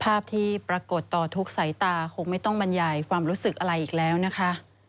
ภาพที่ปรากฏต่อทุกสายตาคงไม่ต้องบรรยายความรู้สึกอะไรอีกแล้วนะคะ